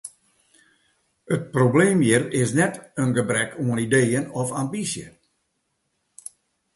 It probleem hjir is net in gebrek oan ideeën of ambysje.